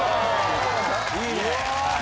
いいね。